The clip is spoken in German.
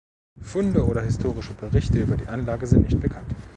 Funde oder historische Berichte über die Anlage sind nicht bekannt.